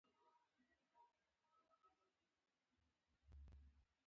تر عنوان لاندې يو کتاب ليکلی دی